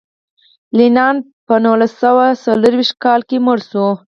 لینین په نولس سوه څلور ویشت کال کې مړ شو.